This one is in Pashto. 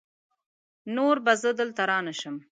نور به زه دلته رانشم!